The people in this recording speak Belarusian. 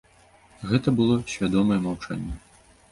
Гэта было свядомае маўчанне.